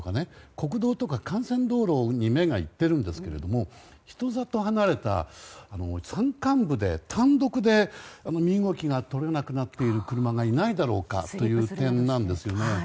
国道とか幹線道路に目がいっているんですが人里離れた山間部で単独で身動きが取れなくなっている車がいないだろうかという点ですね。